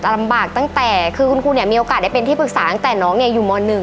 ลำบากตั้งแต่คือคุณครูเนี่ยมีโอกาสได้เป็นที่ปรึกษาตั้งแต่น้องอยู่ม๑